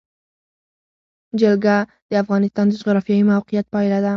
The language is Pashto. جلګه د افغانستان د جغرافیایي موقیعت پایله ده.